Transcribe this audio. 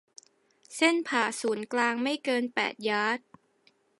เส้นผ่าศูนย์กลางไม่เกินแปดยาร์ด